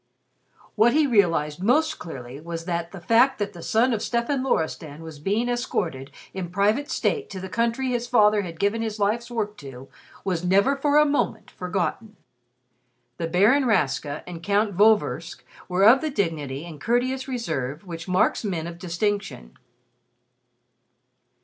What he realized most clearly was that the fact that the son of Stefan Loristan was being escorted in private state to the country his father had given his life's work to, was never for a moment forgotten. The Baron Rastka and Count Vorversk were of the dignity and courteous reserve which marks men of distinction.